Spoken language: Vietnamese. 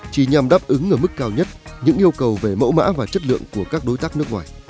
chỉ nhằm đáp ứng ở mức cao nhất những yêu cầu về mẫu mã và chất lượng của các đối tác nước ngoài